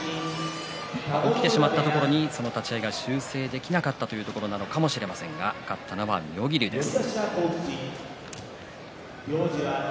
起きてしまったところが立ち合い修正できなかったというところなのかもしれませんが勝ったのは妙義龍です。